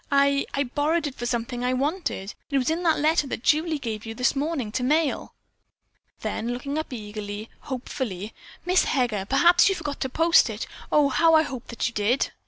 I I borrowed it for something I wanted. It was in that letter that Julie gave you this morning to mail." Then looking up eagerly, hopefully, "Miss Heger, perhaps you forgot to post it. Oh, how I hope that you did!"